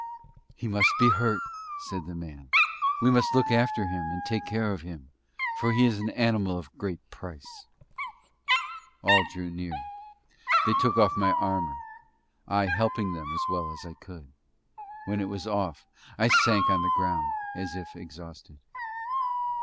"He must be hurt," said the man. "We must look after him, and take care of him, for he is an animal of great price!" All drew near. They took off my armour, I helping them as well as I could. When it was off I sank on the ground, as if exhausted.